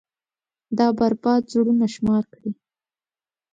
دا بـربـاد زړونه شمار كړئ.